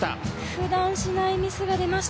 普段しないミスが出ました。